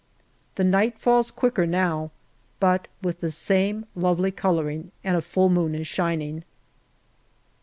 The night falls quicker now, but with the same lovely colouring, and a full moon is shining.